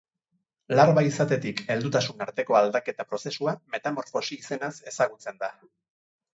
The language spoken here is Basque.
Larba izatetik heldutasun arteko aldaketa prozesua metamorfosi izenaz ezagutzen da.